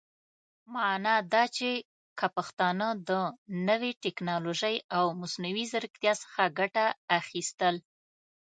معنا دا چې که پښتانهٔ د نوې ټيکنالوژۍ او مصنوعي ځيرکتيا څخه ګټه اخيستل